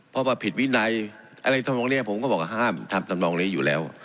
เพราะว่าผิดวินัยอะไรทำนองนี้ผมก็บอกว่าห้ามทำทำนองนี้อยู่แล้ว